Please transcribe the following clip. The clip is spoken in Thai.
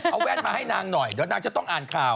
เอาแว่นมาให้นางหน่อยเดี๋ยวนางจะต้องอ่านข่าว